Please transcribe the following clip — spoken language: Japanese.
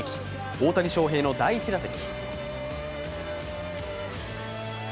大谷翔平の第１打席。